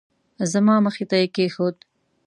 زما مخې ته یې کېښود.